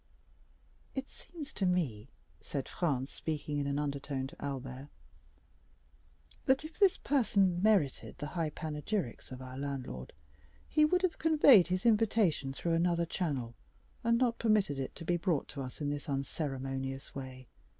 "It seems to me," said Franz, speaking in an undertone to Albert, "that if this person merited the high panegyrics of our landlord, he would have conveyed his invitation through another channel, and not permitted it to be brought to us in this unceremonious way.